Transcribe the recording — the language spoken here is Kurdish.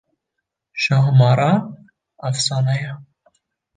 Şahmaran efsane ye